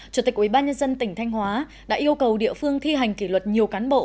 chủ tịch ủy ban nhân dân tỉnh thanh hóa đã yêu cầu địa phương thi hành kỷ luật nhiều cán bộ